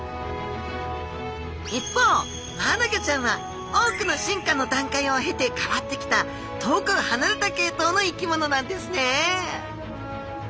一方マアナゴちゃんは多くの進化の段階を経て変わってきた遠くはなれた系統の生き物なんですね